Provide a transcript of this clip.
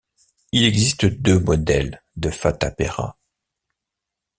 Il existe deux modèles de fata-pera.